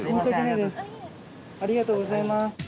ありがとうございます。